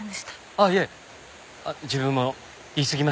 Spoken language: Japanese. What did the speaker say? ああいえ自分も言いすぎました。